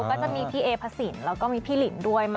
ก็จะมีพี่เอพระสินแล้วก็มีพี่หลินด้วย